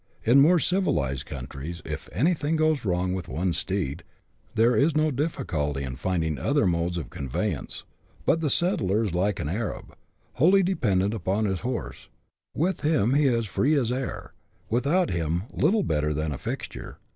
In more civilized countries, if anything goes wrong with one's steed, there is no difficulty in finding other modes of conveyance, but the settler is like an Arab, wholly dependent upon his horse ; with him he is free as air, without him little better than a fixture.